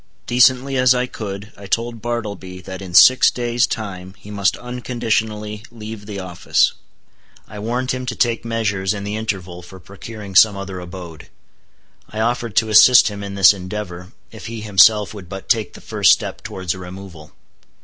Decently as I could, I told Bartleby that in six days' time he must unconditionally leave the office. I warned him to take measures, in the interval, for procuring some other abode. I offered to assist him in this endeavor, if he himself would but take the first step towards a removal.